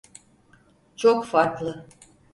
Çok farklı.